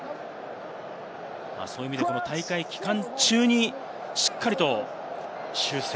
そういう意味で大会期間中にしっかりと修正。